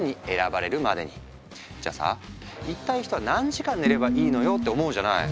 じゃあさ「一体人は何時間寝ればいいのよ！」って思うじゃない？